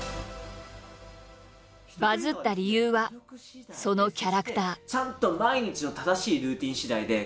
バズった理由はそのキャラクター。